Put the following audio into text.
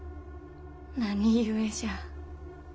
何故じゃ。